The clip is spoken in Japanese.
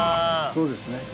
そうですね。